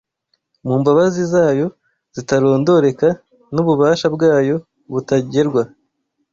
mu mbabazi zayo zitarondoreka n’ububasha bwayo butagerwa